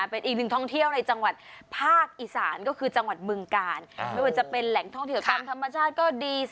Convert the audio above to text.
เป็นอีกหนึ่งท่องเที่ยวในจังหวัดภาคอีสานก็คือจังหวัดบึงกาลไม่ว่าจะเป็นแหล่งท่องเที่ยวตามธรรมชาติก็ดี